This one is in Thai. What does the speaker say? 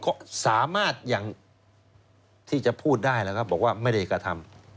ก็สามารถอย่างที่จะพูดได้แล้วครับบอกว่าไม่ได้กระทำ